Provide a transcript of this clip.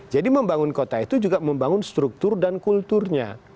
jadi membangun kota itu juga membangun struktur dan kulturnya